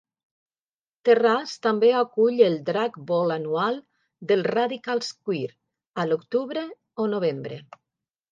Terrace també acull el "Drag Ball anual dels Radicals queer" a l'octubre o novembre.